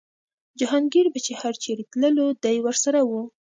جهانګیر به چې هر چېرې تللو دی ورسره و.